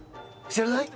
知らない？